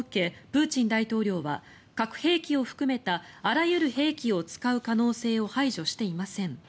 プーチン大統領は核兵器を含めたあらゆる兵器を使う可能性を排除していません。